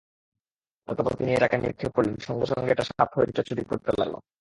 অতঃপর তিনি এটাকে নিক্ষেপ করলেন, সঙ্গে সঙ্গে এটা সাপ হয়ে ছুটাছুটি করতে লাগল।